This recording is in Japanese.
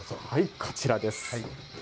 こちらです。